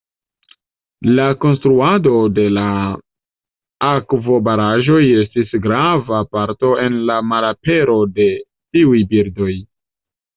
La konstruado de la akvobaraĵoj estis grava parto en la malapero de tiuj birdoj.